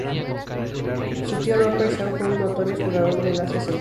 Su tío Robert Shaw fue un notorio explorador del Asia Central.